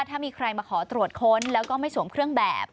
ถ้ามีใครมาขอตรวจค้นแล้วก็ไม่สวมเครื่องแบบ